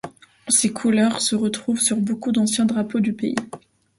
Ces couleurs se retrouvent sur beaucoup d'anciens drapeaux du pays.